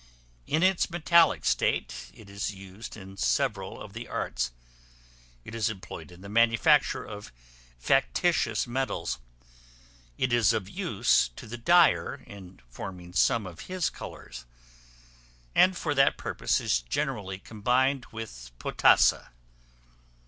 In its metallic state it is used in several of the arts: it is employed in the manufacture of factitious metals: it is of use to the dyer in forming some of his colors; and for that purpose is generally combined with potassa.